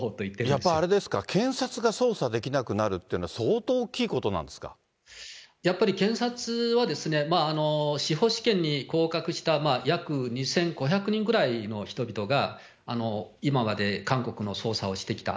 やっぱりあれですか、検察が捜査できなくなるっていうのは、やっぱり検察は、司法試験に合格した、約２５００人ぐらいの人々が、今まで韓国の捜査をしてきた。